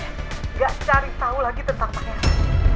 tidak cari tahu lagi tentang pangeran